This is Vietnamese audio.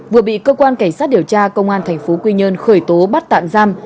vừa bị cơ quan cảnh sát điều tra công an thành phố quy nhơn khởi tố bắt tạm giam